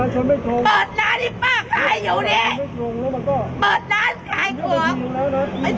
ปฏิรัชน์ฉันไม่ปลุกเปิดร้านนี่่ป้าขายอยู่นี่